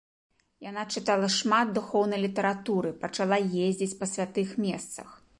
Яна чытала шмат духоўнай літаратуры, пачала ездзіць па святых месцах.